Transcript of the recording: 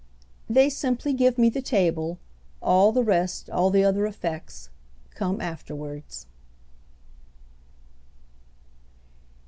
"They simply give me the table—all the rest, all the other effects, come afterwards."